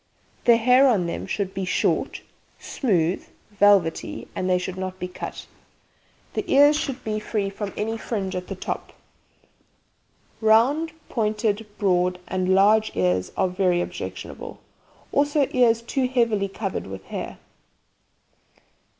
The hair on them should be short, smooth (velvety), and they should not be cut. The ears should be free from any fringe at the top. Round, pointed, broad and large ears are very objectionable, also ears too heavily covered with hair.